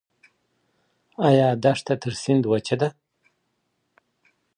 آیا دښته تر سیند وچه ده؟